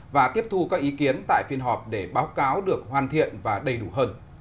và tiếp thu các ý kiến tại phiên họp để báo cáo được hoàn thiện và đầy đủ hơn